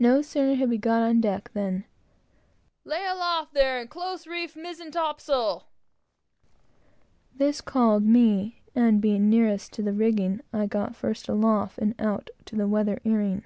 No sooner had we got on deck, than "Lay aloft there, mizen top men, and close reef the mizen topsail!" This called me; and being nearest to the rigging, I got first aloft, and out to the weather earing.